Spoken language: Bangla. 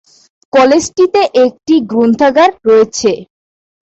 কলেজটিতে একটি গ্রন্থাগার রয়েছে।